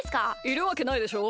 いるわけないでしょ。